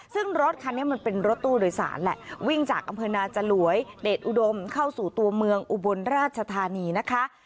ซึ่งรถคันนี้มันเป็นรถตู้โดยสารแหละวิ่งจากอำเภอนาจลวยเดชอุดมเข้าสู่ตัวเมืองอุบลราชธานีนะคะ